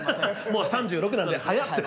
もう３６なんで。早くて。